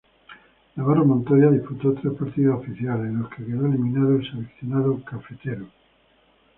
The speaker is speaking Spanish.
Navarro Montoya disputó tres partidos oficiales, en los que quedó eliminado el seleccionado "cafetero".